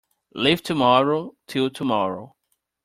Leave tomorrow till tomorrow.